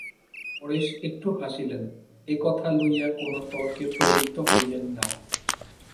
পরেশ একটু হাসিলেন, এ কথা লইয়া কোনো তর্কে প্রবৃত্ত হইলেন না।